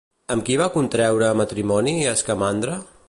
Amb qui va contreure matrimoni Escamandre?